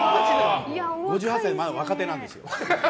５８歳でまだ若手なんですよ。